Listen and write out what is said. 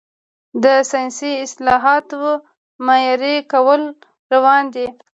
د ساینسي اصطلاحاتو معیاري کول روان دي.